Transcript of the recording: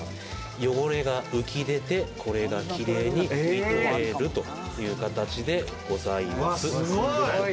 汚れが浮き出て、綺麗に拭き取れるという形でございます。